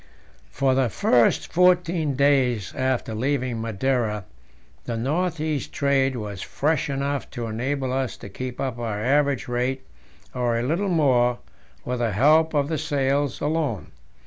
For the first fourteen days after leaving Madeira the north east trade was fresh enough to enable us to keep up our average rate, or a little more, with the help of the sails alone.